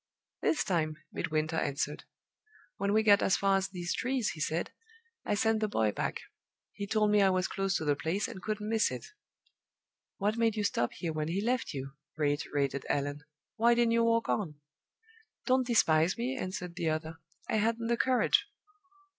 This time Midwinter answered. "When we got as far as these trees," he said, "I sent the boy back. He told me I was close to the place, and couldn't miss it." "What made you stop here when he left you?" reiterated Allan. "Why didn't you walk on?" "Don't despise me," answered the other. "I hadn't the courage!"